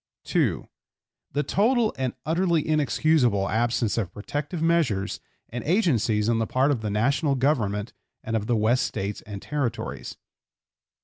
(2) The total and utterly inexcusable absence of protective measures and agencies on the part of the National Government and of the West States and Territories.